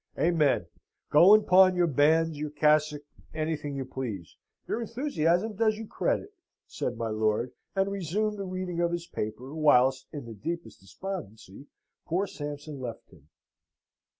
"Amen. Go and pawn your bands, your cassock, anything you please. Your enthusiasm does you credit," said my lord; and resumed the reading of his paper, whilst, in the deepest despondency, poor Sampson left him.